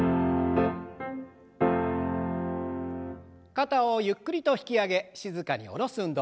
肩をゆっくりと引き上げ静かに下ろす運動。